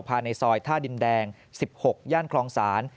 ภายในซอยท่าดินแดง๑๖ย่านคลองศาล